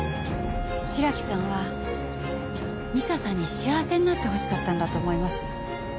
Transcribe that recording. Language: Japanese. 白木さんは美佐さんに幸せになってほしかったんだと思います。